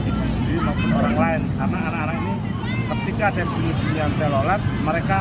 ibu sendiri maupun orang lain karena anak anak ini ketika ada bunyi bunyi yang telolet mereka